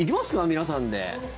皆さんで。